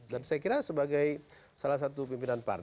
dan saya kira sebagai salah satu pimpinan partai